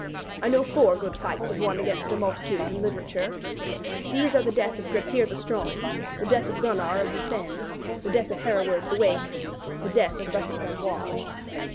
I know four good fights of one against a multitude, in literature. These are the Death of Gretir the Strong, the Death of Gunnar of Lithend, the Death of Hereward the Wake, the Death of Bussy d'Amboise.